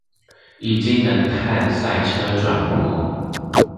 已經能看賽車轉播